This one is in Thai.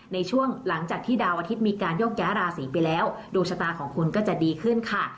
ในช่วงหลังจากที่ดาวอาทิตย์มีการโยกย้ายราศีไปแล้วดวงชะตาของคุณก็จะดีขึ้นค่ะ